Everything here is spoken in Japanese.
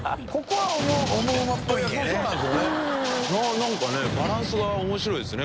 燭バランスが面白いですよね